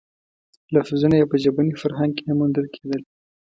لفظونه یې په ژبني فرهنګ کې نه موندل کېدل.